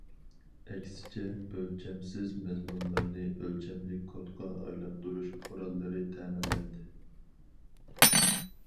ئەكسىچە، ئۆلچەمسىز مەزمۇنلارنى ئۆلچەملىك كودقا ئايلاندۇرۇش قوراللىرى تەمىنلەندى.